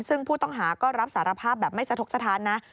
ซึ่งผู้ต้องหาก็รับสารภาพแบบไม่สะทกสถานนะ